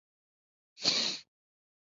早年就读于武岭学校。